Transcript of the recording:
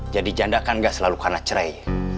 jadi janda kan gak selalu karena cerai